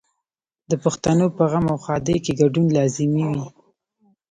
د پښتنو په غم او ښادۍ کې ګډون لازمي وي.